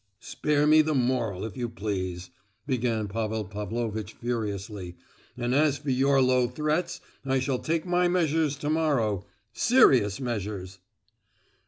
"Spare me the moral, if you please," began Pavel Pavlovitch furiously; "and as for your low threats I shall take my measures to morrow—serious measures."